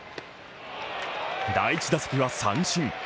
第１打席は三振。